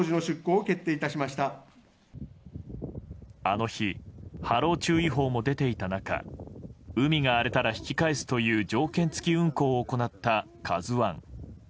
あの日波浪注意報も出ていた中海が荒れたら引き返すという条件付き運航を行った「ＫＡＺＵ１」。